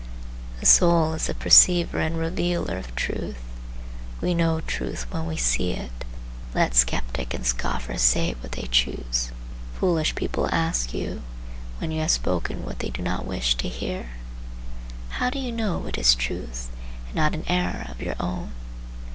The soul is the perceiver and revealer of truth. We know truth when we see it, let skeptic and scoffer say what they choose. Foolish people ask you, when you have spoken what they do not wish to hear, 'How do you know it is truth, and not an error of your own?